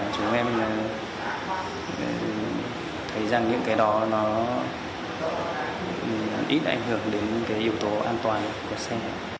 chúng em thấy rằng những cái đó nó ít ảnh hưởng đến yếu tố an toàn của xe